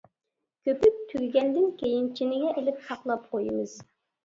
كۆپۈك تۈگىگەندىن كېيىن، چىنىگە ئېلىپ ساقلاپ قويىمىز.